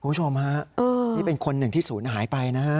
คุณผู้ชมฮะนี่เป็นคนหนึ่งที่ศูนย์หายไปนะฮะ